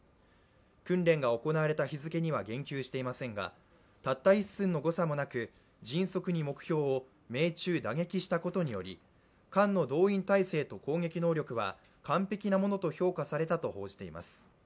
訓練が行われた日付には言及していませんがたった一寸の誤差もなく迅速に目標を命中打撃したことにより、艦の動員態勢と攻撃能力は、完璧なものと評価されたと報じています。